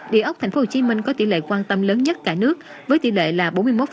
địa ốc tp hcm có tỷ lệ quan tâm lớn nhất cả nước với tỷ lệ là bốn mươi một